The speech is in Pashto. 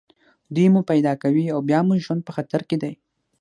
دوی مو پیدا کوي او بیا مو ژوند په خطر کې دی